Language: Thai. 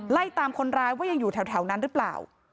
ไล่ตามคนร้ายว่ายังอยู่แถวนั้นหรือเปล่า